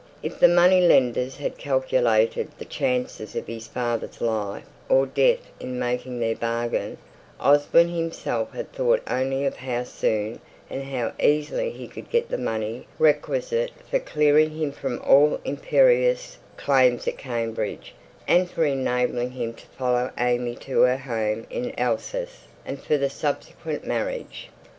If the money lenders had calculated the chances of his father's life or death in making their bargain, Osborne himself had thought only of how soon and how easily he could get the money requisite for clearing him from all imperious claims at Cambridge, and for enabling him to follow AimÄe to her home in Alsace, and for the subsequent marriage.